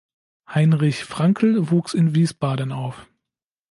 Heinrich Frankl wuchs in Wiesbaden auf.